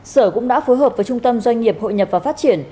sở cũng đã phối hợp với trung tâm doanh nghiệp hội nhập và phát triển